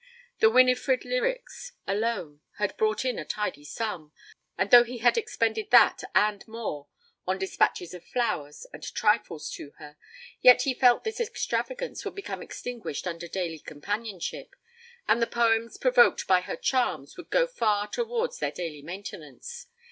The Winifred lyrics alone had brought in a tidy sum, and though he had expended that and more on despatches of flowers and trifles to her, yet he felt this extravagance would become extinguished under daily companionship, and the poems provoked by her charms would go far towards their daily maintenance.